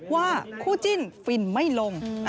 ว่าคู่จิ้นฟินไม่ลง